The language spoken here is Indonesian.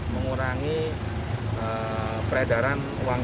mengurangi peredaran uang